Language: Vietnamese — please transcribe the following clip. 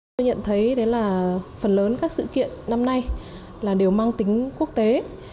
tôi nhận thấy phần lớn các sự kiện năm nay đều mang tính quốc tế